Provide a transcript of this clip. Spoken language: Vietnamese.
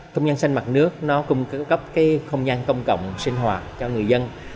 không gian xanh mặt nước cũng cung cấp không gian công cộng sinh hoạt cho người dân